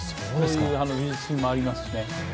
美術品もありますしね。